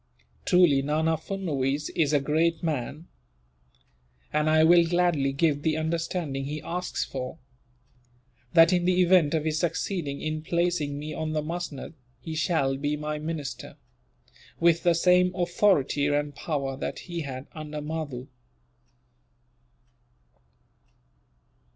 Truly Nana Furnuwees is a great man, and I will gladly give the undertaking he asks for; that, in the event of his succeeding in placing me on the musnud, he shall be my minister, with the same authority and power that he had under Mahdoo."